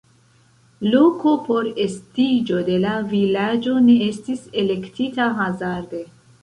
Loko por estiĝo de la vilaĝo ne estis elektita hazarde.